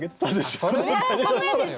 そりゃ駄目でしょ！